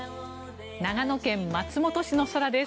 長野県松本市の空です。